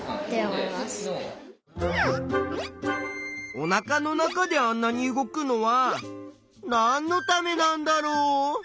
おなかの中であんなに動くのはなんのためなんだろう？